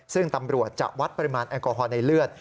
ซึ่งตำรวจจะวัดปริมาณแอลกอฮอล์ในเลือด